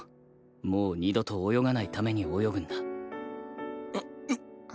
もう二度と泳がないために泳ぐんだ